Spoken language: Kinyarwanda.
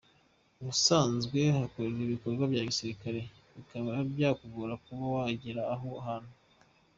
Ubusanzwe hakorerwa ibikorwa bya gisirikare bikaba byakugora kuba wagera aha hantu.